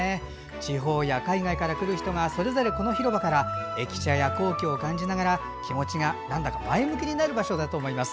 地方や海外から来る人がそれぞれ、この広場から駅舎や皇居を感じながら気持ちが、なんだか前向きになる場所だと思います。